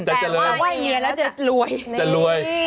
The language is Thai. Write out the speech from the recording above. แต่ว่ายเมียแล้วจะรวย